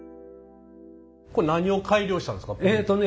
これ何を改良したんですか？